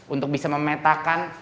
untuk bisa memetakan